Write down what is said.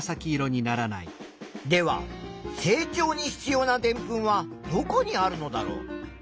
では成長に必要なでんぷんはどこにあるのだろう？